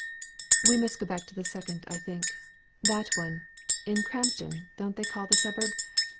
"We must go back to the second, I think. That one, in Crampton, don't they call the suburb?